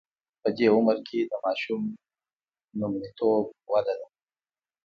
په دې عمر کې د ماشوم لومړیتوب وده ده.